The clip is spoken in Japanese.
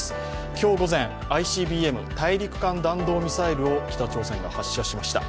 今日午前、ＩＣＢＭ＝大陸間弾道ミサイルを北朝鮮が発射しました。